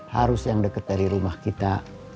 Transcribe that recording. harus yang dekat dari rumah kita